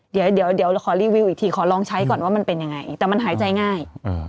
เดี๋ยวขอรีวิวอีกทีขอลองใช้ก่อนว่ามันเป็นยังไงแต่มันหายใจง่าย